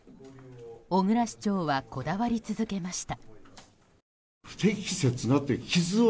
小椋市長はこだわり続けました。